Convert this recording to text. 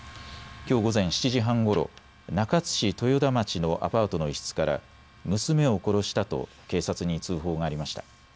きょう午前７時半ごろ、中津市豊田町のアパートの一室から娘を殺したと警察に通報がありました。